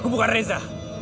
aku bukan reza